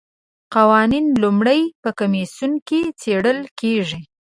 قوانین لومړی په کمیسیون کې څیړل کیږي.